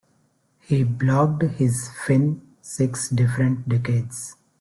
He blocked his fin six different decades.